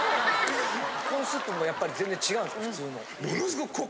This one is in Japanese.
コーンスープもやっぱり全然違うんですか普通のと。